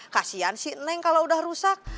kasian si neng kalau udah rusak